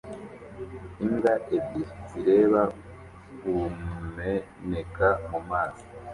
Imbwa ebyiri zireba kumeneka mumazi